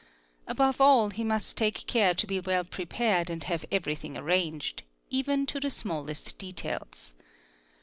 Above all he must take care to be well prepared and have everything arranged— _ even to the smallest details.